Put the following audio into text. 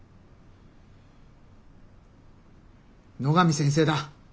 野上先生だ。